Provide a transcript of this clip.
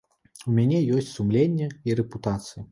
У мяне ёсць сумленне і рэпутацыя.